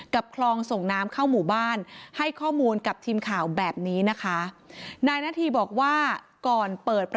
กับคลองส่งน้ำเข้าหมู่บ้าน